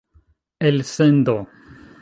elsendo